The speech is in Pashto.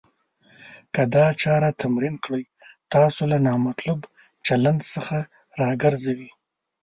که دا چاره تمرین کړئ. تاسو له نامطلوب چلند څخه راګرځوي.